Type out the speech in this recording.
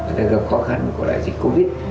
người ta gặp khó khăn của lại dịch covid